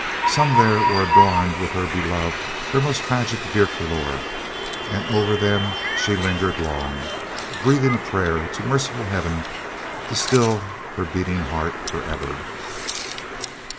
Some there were adorned with her beloved, her most tragic "Vierkleur," and over them she lingered long, breathing a prayer to merciful Heaven to still her beating heart for ever.